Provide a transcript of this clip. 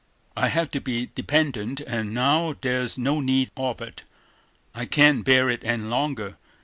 I hate to be dependent; and now there's no need of it, I can't bear it any longer.